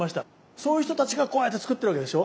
そういう人たちがこうやって作ってるわけでしょ。